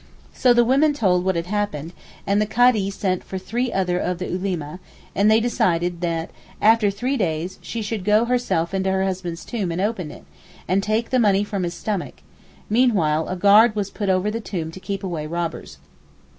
So the woman told what had happened, and the Kadee sent for three other of the Ulema, and they decided that after three days she should go herself to her husband's tomb and open it, and take the money from his stomach; meanwhile a guard was put over the tomb to keep away robbers.